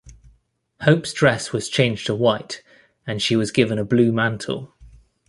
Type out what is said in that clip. Hope's dress was changed to white, and she was given a blue mantle.